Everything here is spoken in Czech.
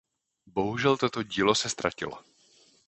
Bohužel toto dílo se ztratilo.